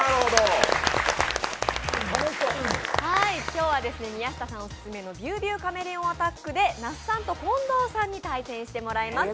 今日は宮下さんオススメのピューピューカメレオンアタックで那須さんと近藤さんに対戦してもらいます。